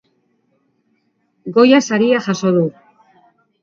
Goya saria jaso du.